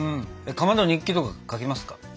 かまど日記とか書きますか？